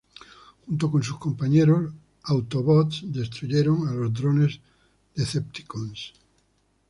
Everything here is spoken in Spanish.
Junto con sus compañeros autobots destruyen a los Drones decepticons.